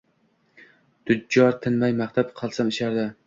Tujjor tinmay maqtab, qasam ichardi.